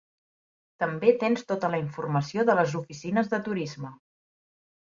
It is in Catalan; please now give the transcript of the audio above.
També tens tota la informació de les oficines de turisme.